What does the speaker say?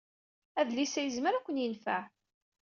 Adlis-a yezmer ad ken-yenfeɛ.